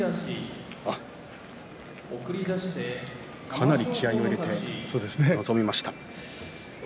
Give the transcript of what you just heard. かなり気合いを入れて臨みました。